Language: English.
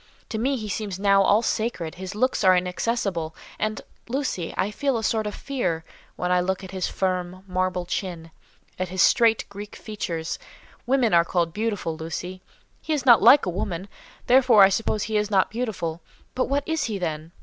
To me he seems now all sacred, his locks are inaccessible, and, Lucy, I feel a sort of fear, when I look at his firm, marble chin, at his straight Greek features. Women are called beautiful, Lucy; he is not like a woman, therefore I suppose he is not beautiful, but what is he, then?